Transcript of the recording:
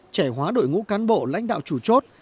trẻ hóa đội ngũ cán bộ lãnh đạo chủ chốt